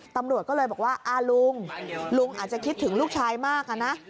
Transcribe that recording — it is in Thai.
ตำรวจก็เลยบอกว่าลุงลุงอาจจะคิดถึงลูกชายมากอะนะ